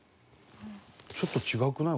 ちょっと違くない？